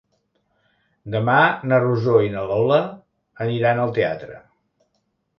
Demà na Rosó i na Lola aniran al teatre.